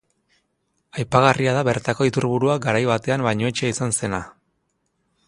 Aipagarria da bertako iturburua garai batean bainuetxea izan zena.